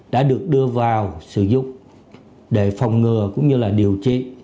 đã được đưa vào sử dụng để phòng ngừa cũng như là điều trị